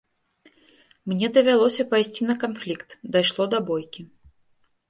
Мне давялося пайсці на канфлікт, дайшло да бойкі.